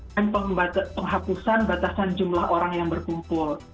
penghapusan batasan jumlah orang yang berkumpul